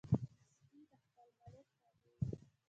سپي د خپل مالک تابع وي.